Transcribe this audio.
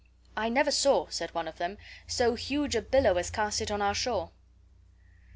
"I never saw," said one of them, "so huge a billow as cast it on our shore."